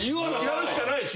やるしかないし。